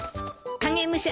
影武者